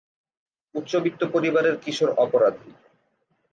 উচ্চবিত্ত পরিবারের কিশোর অপরাধী।